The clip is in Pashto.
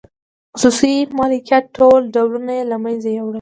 خصوصي مالکیت ټول ډولونه یې له منځه یووړل.